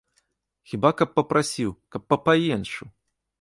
Хіба каб папрасіў, каб папаенчыў!